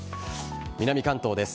南関東です。